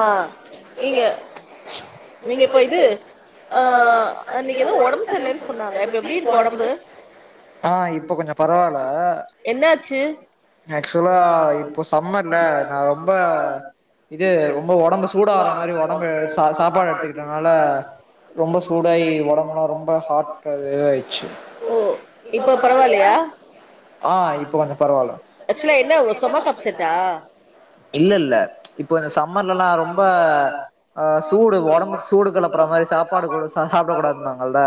ஆ நீங்க ச் நீங்க இப்ப இது ஆ அன்னிக்கி எதோ ஒடம்பு செரி இல்லனு சொன்னாங்க இப்ப ஆ ஆ நீங்க [inaudible] எப்டி இருக்கு ஒடம்பு இப்ப பரவால என்ன ஆச்சி ஆ இப்போ சம்மர்ல ரொம்ப இது ரொம்ப ஒடம்பு சூடு ஆற மாரி ஒடம்பு சாப்பாடு எடுத்துக்கிட்டதுனால ரொம்ப சூடாயி உடம்பெல்லா ரொம்ப ஹாட் இத ஆயிடுச்சு இப்போ பரவால்லையா ஆ இப்போ பரவால ஆக்சுவலா என்ன ஸ்டொமக் அப்செட்டா இல்ல இல்ல இப்போ இந்த சம்மர்லெல்லா ரொம்ப ஆ சூடு ஒடம்புக்கு சூடு கெலப்புற மாரி சாப்பாடு சாப்ட கூடாதுபாங்கல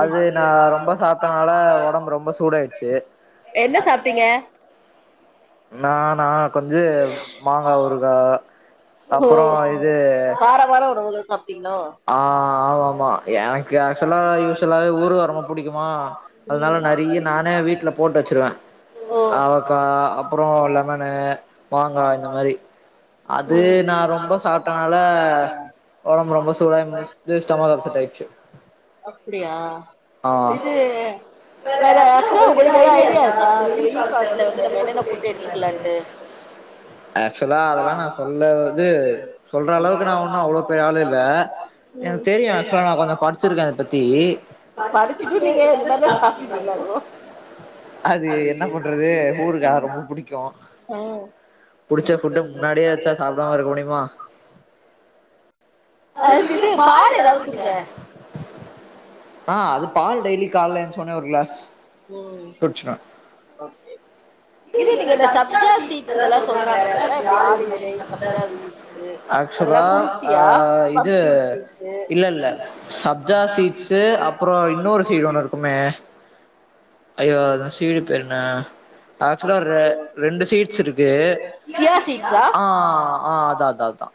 அது நா ரொம்ப சாப்பட்டதுனால ஒடம்பு ரொம்ப சூடாயிடுச்சு என்ன சாப்டிங்க நானா கொஞ்ஜோ மாங்கா ஊருகா ஓ வாரோ வாரோ ஒரு உணவு சாப் [inaudible] ஆ ஆமா ஆமா எனக்கு ஆக்சுவலா யூஸ்வலாவே ஊருகா ரொம்ப புடிக்குமா அதனால நெறைய நானே வீட்ல போட்டு வெச்சிருவே அவக்கா அப்பறோம் லெமனு மாங்கா இந்த மாரி அது நா ரொம்ப சாப்டதுனால ஒடம்பு ரொம்ப சூ அத முஸ்ட்டு ஸ்டொமக் அப்செட் ஆயிடிச்சு அப்டியா இது வேற ஆக்ச்சுவலா உங்களுக்கு எதா ஐடியா இருக்கா இந்த வெயில் காலத்துல வந்து நம்ம என்னன்ன புட் எடுத்துக்கலான்ட்டு [unintelligible] உங்க அளவுக்கு நா ஒன்னு அவ்ளோ பெரிய ஆள் இல்ல எனக்கு தெரியும் ஆக்ச்சுவலா நா கொஞ்சம் படி படிச்சிருக்கே படிச்சிட்டு நீங்க இந்த மாரிலா சாப்ட்ருக்கீங்களா ப்ரோ [unintelligible] ம்ம் புடிச்ச ஃபுட்டு முன்னாடியே வச்சா சாப்டாம இருக்க முடியுமா அடுத்தது பால் எதாவது குடிங்க ஆ அது பால் டெய்லி கால்ல ஒரு க்ளாஸ் குட்ச்சிடுவ ஓகே இது நீங்க இந்த சப்ஜா சீட்ஸ் இதெல்லா சொல்றாங்களே ஆலிவ் விதை சப்ஜா சீட்சு அதெல்லா குளிர்ச்சியா இது இல்ல இல்ல சப்ஜா சீட்ஸ் அப்பறோம் இன்னொரு சீடு ஒண்ணு இருக்குமே ஐயோ அந்த சீடு பேரு என்ன ஆக்சுவலா ரெண்டு சீட்ஸ் இருக்கு சியா சீட்ஸா ஆ ஆ அதா அதா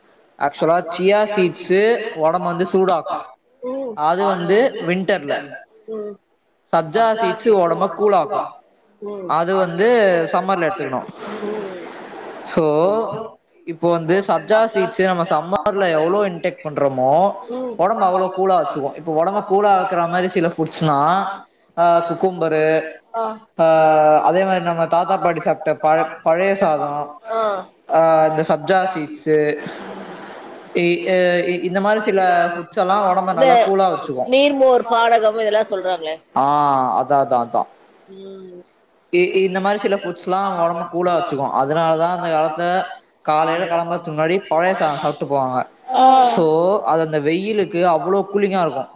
ஆக்சுவலா சியா சீட் சியா சீட்சு ஒடம்பு வந்து சூடாக்கு ம் அது வந்து வின்டர்ல சப்ஜா சீட்ஸ் ஒடம்ப கூலாக்கும் ம் அத வந்து சம்மர்ல எடுத்துக்கணு ம் சோ இப்போ வந்து சப்ஜா சீட்ஸ நம்ம சம்மர்ல எவ்ளோ இன்டேக் பண்றோமோ ஒடம்பு அவ்வளோ கூலா வச்சுக்கோ இப்ப உடம்ப கூலா ஆக்குற மாரி சில ஃபுட்ஸ்னா ஆ குக்கும்பரு ஆ அதே மாரி நம்ம தாத்தா பாட்டி சாப்ட்ட பழ -பழைய சாதோ அஹ் இந்த சப்ஜா சீட்ஸு இ எ இ இந்த மாரி சில ஃபுட்ஸ்லா ஒடம்ப நல்லா கூலா வச்சுக்கு ஆஹ் அதா அதா அதா இ இந்த மாரி சில ஃபுட்ஸ்லா உடம்பு கூலா வச்சுக்கு அதனா அதா அந்த காலத்துல காலைல கெளம்பறத்துக்கு முன்னாடி பழைய சாதோ சாப்ட்டு போவாங்க சோ அது அந்த வெயிலுக்கு அவ்வளவு கூலிங்கா இருக்கும்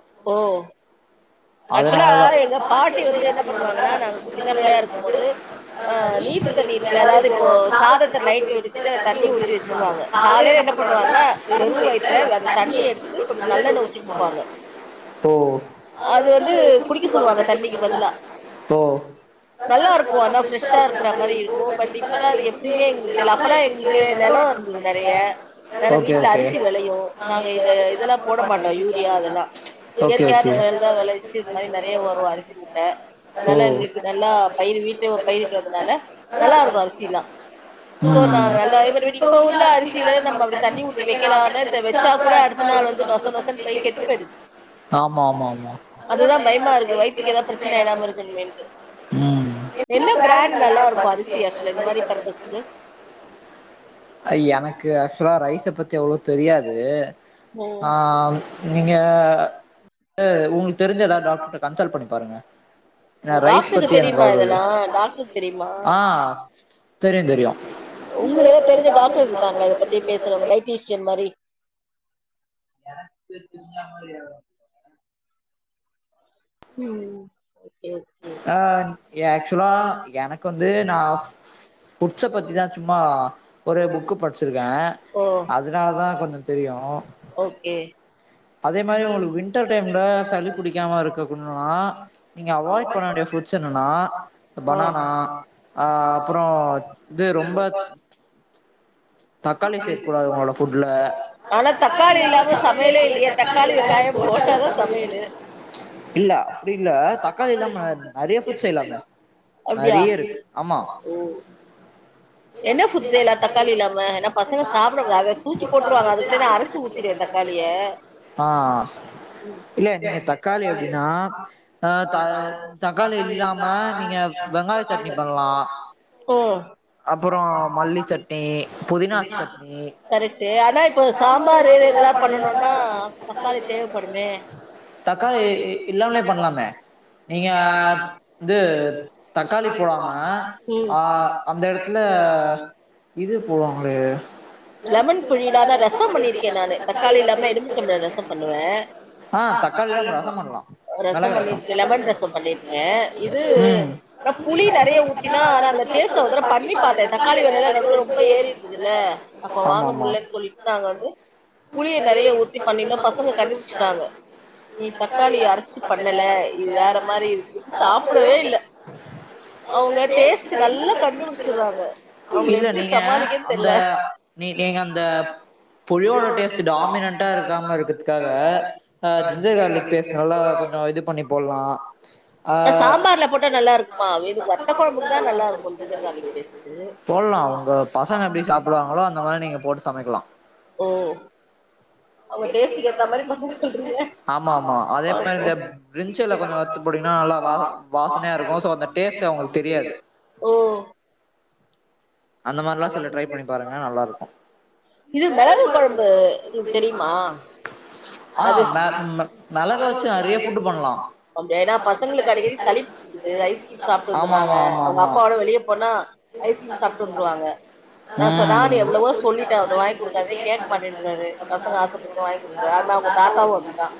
ஆக்சுலா எங்க பாட்டி வந்து என்ன பண்ணுவாங்கன்னா நாங்க சின்னப் பிள்ளையா இருக்கும் போது அஹ் நீத்து தண்ணி இருக்குல அதாவது இப்போ சாதத்த நைட்டு வடிச்சுட்டு அத தண்ணி ஊத்தி வச்சிருவாங்க காலைல என்ன பண்ணுவாங்க வெறு வயத்துல அந்த தண்ணி எடுத்து சொ நல்லெண்ண ஊத்தி குடுப்பாங்க அது வந்து குடிக்க சொல்லுவாங்க தண்ணிக்கு பதிலா நல்லா இருக்கும் ஆனா ஃப்ரெஷ்ஷா இருக்கிற மாரி இருக்கும் பட் இப்னா அது எப்டின்னே எங்களுக்கு தெரியல அப்ல்லாம் எங்களுக்கு நிலம் வந்தது நெறைய நல்ல வீட்டுல அரிசி விளையும் நாங்க இத இதெல்லாம் போட மாட்டோம் யூரியா அதெல்லாம் இயற்கையான மு தா வெளைவிச்சு இந்த மாரி நெறைய வரு அரிசி முட்டை அதனால எங்களுக்கு நல்லா பயிர் வீட்லயே ஒரு பயிரு இருக்கிறதுனால நல்லா இருக்கு அரிசிலா சோ நாங்க எல்லா அதே மாரி இப்ப உள்ள அரிசில நம்ம அப்டி தண்ணி ஊத்தி வைக்கலான்னா இந்த வச்சா கூட அடுத்த நாள் வந்து நொச நொசன்னு பயரு கெட்டு போயிடுது அதுதா பயமா இருக்கு வயித்துக்கு ஏதா பிரச்சன ஆயிடாம இருக்கனுமேன்ட்டு உம் அ எனக்கு ஆக்சுவலா ரைஸ பத்தி அவ்ளவா தெரியாது ஆஹ் நீங்க அ உங்களுக்கு தெரிஞ்ச எதா டாக்டர்கிட்ட கன்சல்ட் பண்ணி பாருங்க நா ரைஸ் தெரியுமா இதல்லா டாக்டர்க்கு தெரியுமா உங்களுக்கு தெரிஞ்ச டாக்டர் இருக்காங்களா இத பத்தி பேசறவங்க டயட்டீஷ் சிக்கன் மாரி உம் ஓகே அஹ் ஆக்சுவலா எனக்கு வந்து நா ஃபுட்ச பத்திதா சும்மா ஒரு புக்கு படிச்சிருக்கே அதனாலதா கொஞ்சோ தெரியு அதே மாரி உங்களுக்கு வின்டர் டைம்ல சளி பிடிக்காம இருக்கக்குனுன்னா நீங்க அவாய்ட் பண்ண வேண்டிய ஃபுட்ஸ் என்னன்னா பனானா அஹ் அப்புறோ இது ரொம்ப தக்காளி சேக்கூடாது உங்களோட ஃபுட்ல தக்காளி வெங்காயோ போட்டாதா சமையலு அப்டியா ம் என்ன ஃபுட் செய்யலா தக்காளி இல்லா ஆஹ் இல்ல நீங்க தக்காளி எப்டின்னா அஹ் த தக்காளி இல்லாம நீங்க வெங்காய சட்னி பண்லா ஓ கரெக்ட்டு ஆனா இப்ப சாம்பாரு இதல்லா பண்ணனுனா தக்காளி தேவப்படுமே ம் அந்த எடத்துல இது போவாங்களே லெமன் புழியில்லாத ரசம் பண்ணிருக்கேன் நானு தக்காளி இல்லாம எலும்மிச்ச ரசம் பண்ணுவேன் ரசம் பண்ணிருக்கேன் லெமன் ரசம் பண்ணிருக்கேன் இது புளி நெறைய ஊட்டினா ஆனா அந்த பண்ணி பாத்தேன் தக்காளி வேலயல்லாம் நடுவுல நடுவுல ரொம்ப ஏறி இருக்குது இல்ல அப்ப வாங்க முல்லு சொல்லிட்டு நாங்க வந்து புளிய நெறைய ஊத்தி பண்ண பசங்க கண்டுபுடுச்சிட்டாங்க நீ தக்காளி அரச்சி பண்ணல இது வேற மாரி இருக்கு சாப்படவே இல்ல அவங்க டெஸ்ட் நல்லா கண்டு சில்றாங்க அவங்கள எப்படி சமாளிக்கன்னு தெரியல [unintelligible] சாம்பார்ல போட்ட நல்லா இருக்கு மா வத்த குழம்புக்குதான் நல்லா இருக்கும் ஜிஞ்சர் கார்லிக் போடலாம் உங்க பசங்க எப்டி சாப்படுவாங்களோ அந்த இந்த மாதிரி நீங்க போட்டு சமைக்கலாம் அவங்க டேஸ்ட்டு ஏத்த மாரி பண்ண சொல்றீங்க ஆஞ்ச வாசனையா இருக்கும்ச தெரியாது ஓ அந்த மாதிரில்லாம் சிலர் ட்ரை பண்ணி பாருங்க நல்லா இருக்கும் இது மிளகு குழம்பு தெரியுமா அ பசங்களுக்கு அடி சளி பிடிச்சது ஐஸ்கிரீம் சாப்பிட்டு வந்துங்க அவங்க அப்போட வெளிய போனா ஐஸ்கிரீம் சாப்பிட்டு வந்துருவாங்க நான் எவ்வளவோ சொல்லிட்டு அவரு வாங்கி கொடுக்காது கேட்க்க மாட்டேன்றறாரு பசங்க ஆசைப்ப வாங்கி கொடுப்பா அது மாதி அவங்க தாாவும் வங்கிதான்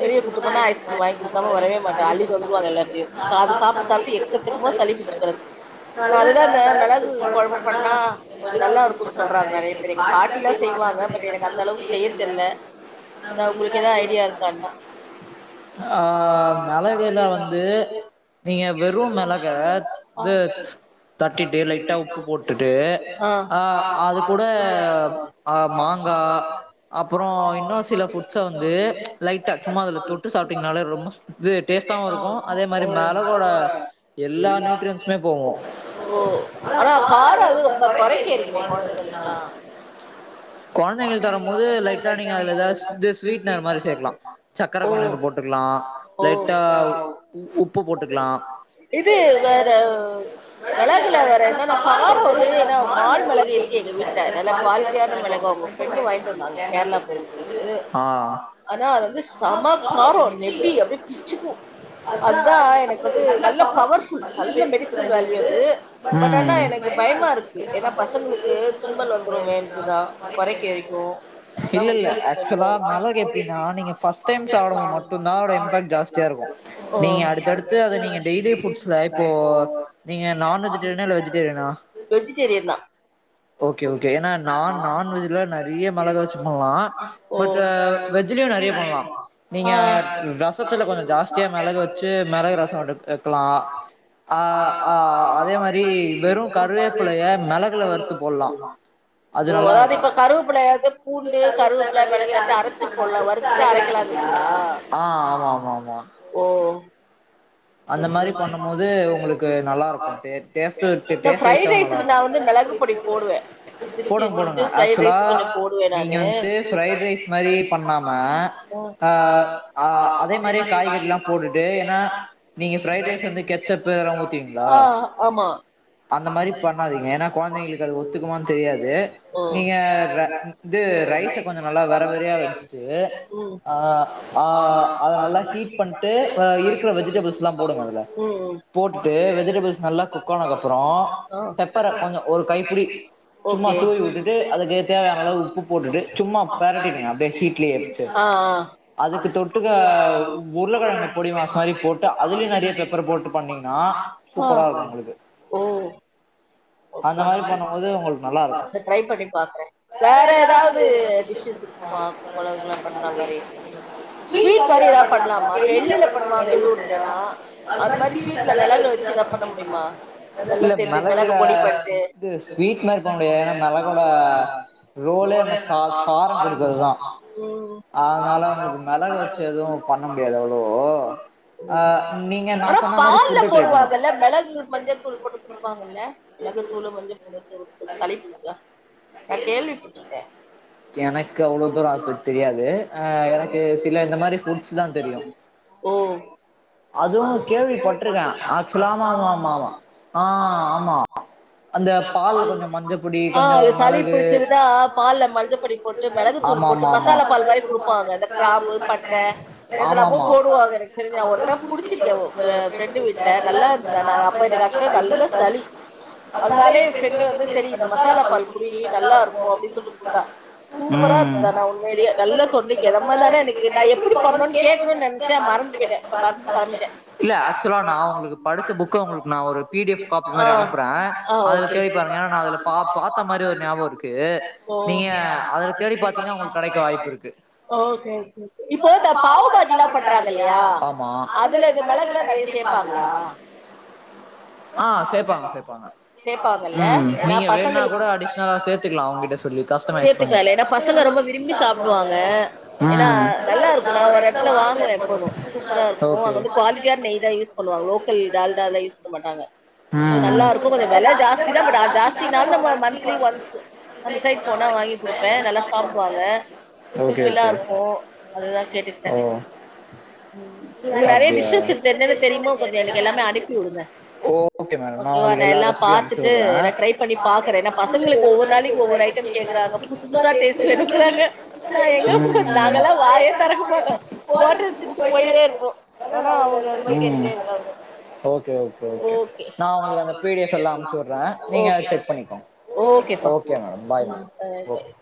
பெரிய குத்துப்பனா ஐஸ்கிரீம் வாங்கி கொடுக்காம வரவே மாட்டா அி வந்துவாங்க எல்லாத்தையும் ச அதை சாப்பிட்டு சாப்பிட்டு எக்கச்சக்கமா சளி பிடிச்சுக்கறக்கு நான் அதுதான் இந்த மிளகு குழம்பு பண்ணா கொஞ்சம் நல்லா இருக்கும் சொல்றாங்க எங்க பாட்டி எல்லாம் செய்வாங்க பட் எனக்கு அந்த அளவுக்கு செய்ய தெரியல அதுதான் உங்களுக்கு ஏதாவது ஐடியா இருந்தாக்க மிளகுல வந்து நீங்க வெறும் மிளக தட்டிட்டு லைட்டா உப்பு போட்டுட்டு ஆ அது கூட மாங்காய் அப்புறம் இன்னும் சில ஃபுட்ஸை வந்து லைட்டா சும்மா அதில் தொட்டு சாப்பிட்டிங்கனால ரொம்ப இது டேஸ்ட்டாகவும் இருக்கும் அதே மாதிரி மிளகோட எல்லா நியூட்ரியன்ஸுமே போகும் ஓ ஆனா கார அது ரொம்ப தறைக்க இருக்குமே குழந்தைகளுக்கு குழந்தைங்க தரும் போது லைட்டா நீங்க அதுலத ஸ்வீட் நற் மாரி சேர்க்கலாம் சக்கரை கொஞ்சண்டு போட்டுக்கலாம் லைட்டா உப்பு போட்டுக்கலாம் இது மிளகுல வேற என்னன்னா காரம் வந்து ஏன்னா வாால் மிளக இருக்கு எங்க வீட்டு நல்ல குவாலிட்டியான மிளக அவங்க ஃரெண்டு வாங்கிட்டு இருந்தாங்க கேரளா பெக்கும்போது ஆனா அது வந்து சமாக்காரம் நெட்டி அப்டிய பிச்சுக்கும் அதுதான் எனக்கு வந்து நல்ல பவர்ஃல் நல்ல மெடிசின் வேல்யூ அது பட் ஆனா எனக்கு பயமா இருக்கு ஏன்னா பசங்களுக்கு கும்பல் வந்துரும் மேலக்குதா குறைக்க ஏரிக்கும் இல்ல இல்ல ஆக்சுவலா மிளகு எப்டின்னா நீங்க ஃபர்ஸ்ட் டைம் சாப்படும்பது மட்டும்தான் அதட இம்போக்ட் ஜாஸ்தியா இருக்கும் நீங்க அடுத்தடுத்து அதது நீங்க டெய்லி ஃபுட்ஸ்ல இப்போ நீங்க நான் வெஜிடேரியனா இல்ல வெஜிடேரியனா வெஜிடேரியன் தான் ஓகே ஓகே ஏன்னா நான் நான்வெஜ்ஜில் நெறைய மிளக வச்சு பண்ணலாம் பட் வெஜ்ஜ்லயும் நெறைய பண்ணலாம் நீங்கள் ரசத்து கொஞ்சம் ஜாஸ்தியாக மிளக வச்சு மிளகு ரசம் விட்டு வைக்கலாம் அதே மாதிரி வெறும் கருவேப்பலய மிளகுள வருறுத்து போட [unintelligible] ஓ அதாவது இப்ப கருவேப்பிலய அது பூண்டு கருவேப்பில மேளகு வெச்சி அரச்சுப்போல்ல வருத்துட்டு அரக்கலாங்றிங்ளா அ ஆமஆமா ஓ [unintelligible] நா ப்ரெட் ரேஸுக்கு நா வந்து மெளகு பொடி போடுவேன் [inaudible] அதே மாரி காய்கறி எல்லாம் போட்டு ஏன்னா நீங்க ஃபிரைட் ரைஸ் வந்து கெச்சப்பு அதெலா ஊத்துவீங்களா அந்த மாரி பண்ணாதீங்க ஏனா குழந்தைங்களுக்கு அது ஒத்துக்குமானு தெரியாது நீங்க [unintelligible] [inaudible] ரைஸ கொஞ்ச நல்லா வெறவெறயா வடிச்சுட்டு அ அ அத நல்லா ஹீட் பண்டு இருக்குற வெஜிடேபிள் புள்ளாவோ போடுங்க அதல போட்டுட்டு வெஜிடேபிள்ஸ் நல்லா குக் ஆனகப்பறோம் பெப்பர கொஞ்ச ஒரு கைப்பிடி சும்மா தூவி உட்டுட்டு அதுக்கு தேவயான அளவு உப்பு போட்டுட்டு சும்மா பெரட்டிடுங்க அப்டியே ஹீட்லயே வெச்சு அதுக்கு தொட்டுக்க உ உருளக்கிழங்க பொடி மாஸ் மாரி போட் அதுலோயோ நெறைய பெப்பர போட்டு பண்ணீங்கனா சூப்பரா இருக்கோம் உங்களுக்கு [inaudible] வேற ஏதாவது டிஷ்ஷஸ் இருக்குமா [inaudible] பண்றா மாரி ஸ்வீட் மாரி ஏத பண்லாமா எள்ளுல பண்ணுவாங்க எள்ளு ஏனா அது மேரி ஷிட்ல மேலக வச்சு எதுனா பண்ண முடியுமா எல்லா சேத்து மேல [inaudible] [unintelligible] ஆனா பால்ல போடுவாங்கல்ல மிளகு மஞ்சத்தூள் போட்டு குடிப்பாங்கல்ல மஞ்சத்தூளு மஞ்சத்துளு ஒரு தலைப்பு இருக்கா எனக்கு அவ்லோ தூரம் அது தெரியாது ஆ எனக்கு சில இந்த மாரி ஃபுட்ஸ்தா தெரியே அதுவோ கேள்விபட்ருக்கேன் ஆக்சுலா ஆமா ஆமா ஆமா ஆமா ஆ ஆமா [unintelligible] ஆ அது சளி பிடிச்சதுனா பால்ல மஞ்ச பொடி போட்டு மிளகு தூள் போட்டு மசாலா பால் மாரி குடுப்பாங்க இந்த கிராம்பு பட்ட எதெல்லாமோ போடுவாங்க எனக்கு தெரிஞ்ஜி நா ஒரு தடவ குடிச்சிருக்கே ஒ ஃரெண்டு வீட்ல நல்லா இருந்ததுஆனா அப்ப இந்த [unintelligible] நல்ல சளி [inaudible] அதுனாலே எ ஃப்ரெண்டு வந்து செரி இந்த மசாலா பால் குடி... நல்லா இருக்கோனு அப்டின்னு சொல்லிகுத்தா சூப்பராயிர்க்குதுதான உண்மையிலியே நல்லா தொண்டைக்கு எதமா தான இருக்கு நா எப்டி பண்ணோனு கேக்கணுண்னு நெனச்சே மறந்து போயிட்டே மறந்துட்டே [inaudible] ஆ ஆ ஓகே ஓகேஓகே இப்போ பாவு பஜ்ஜிலா பண்றாங்கயிலியா அதுல இந்த மெளகுலா நெறைய சேப்பாங்ளா செப்பாங்க செப்பாங்க சேப்பாங்கல்ல ஏனா பசங்க சேர்த்துக்லஏனா பசங்க ரொம்ப விரும்பி சாப்படுவாங்க ஏனா நல்லா இருக்கோம் நா ஒரு எத்ல வாங்குவேன் எப்போதோ சூப்பரா இருக்கோ அங்க வந்து குவாண்டிட்டியா நெய்தா யூஸ் பண்ணுவாங்க லோக்கல் டால்டாலா அதல யூஸ் பண்ண மாட்டாங்க [unintelligible] வெல ஜாஸ்தி தா பட் அ ஜாஸ்தினாலோ நம்ம மந்த்லி ஒன்ஸ் அந்த சைடு போனா வாங்கி குடுப்பேன் நல்லா சாப்டுவாங்கா ஃபுல்பில்லா இருக்கோ அதுதா கேட்டுக்கிட்டே ம் நிங்க நெறைய டிஷ்ஷஸ் என்னென்ன தெரியுமோ கொஞ்சம் எனக்கு எல்லாமே அனுப்பிவுடுங்க ஓகே மேடம் நா உங்களுக்கு எல்லா பாத்துட்டு ரே நா ட்ரெய் பண்ணி பாக்றே ஏனா பசங்களுக்கு ஒவ்வொரு நாளைக்கு ஒவ்வொரு ஐட்டம் கேக்றாங்க புஸ்சு புஸ்சா டேஸ்ட்டு வேணுங்றாங்கா நா எங்க போறது நாங்கள வாயே தோறக்க மாட்டோ போட்டததிண்ட்டு போயிட்டே இருப்போ ஆன அவங்க அந்தமாரி கேட்டுட்டே இருக்காங்க ம் நா உங்ளுக்கு அந்த படிஎஃப் மத்தெல்லா அமுச்சுவுற்றே நீங்க [unintelligible] செக் பண்ணிகோங்க okay madam bye madam okay